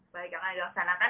baik pak laksanakan